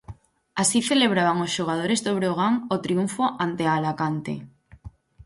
Así celebraban os xogadores do Breogán o triunfo ante Alacante.